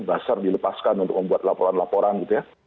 buzzer dilepaskan untuk membuat laporan laporan gitu ya